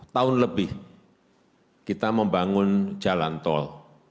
empat tahun lebih kita membangun jalan tol